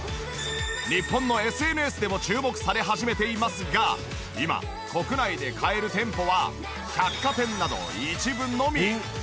日本のＳＮＳでも注目され始めていますが今国内で買える店舗は百貨店など一部のみ。